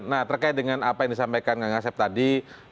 nah terkait dengan apa yang disampaikan kang asep tadi